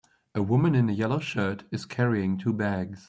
A woman in a yellow shirt is carrying two bags.